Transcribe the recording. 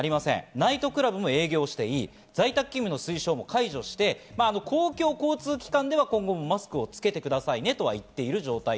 ナイトクラブも営業していい、在宅勤務の推奨も解除して、公共交通機関では今後もマスクをつけてくださいねとは言っている状態。